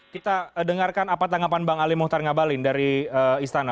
kita dengarkan apa tanggapan bang ali muhtar ngabalin dari istana